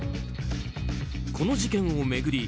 この事件を巡り